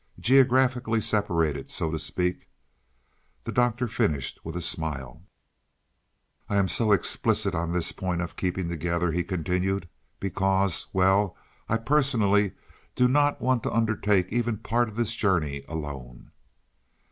Geographically separated, so to speak," the Doctor finished with a smile. "I am so explicit on this point of keeping together," he continued, "because well, I personally do not want to undertake even part of this journey alone."